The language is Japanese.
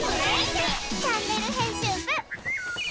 「チャンネル編集部」！